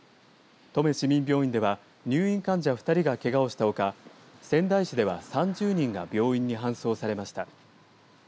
登米市民病院では入院患者２人がけがをしたほか仙台市では３０人が病院に搬送されました。